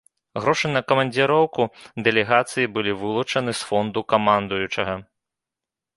Грошы на камандзіроўку дэлегацыі былі вылучаны з фонду камандуючага.